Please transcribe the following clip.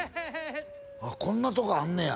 こんなとこあんねや？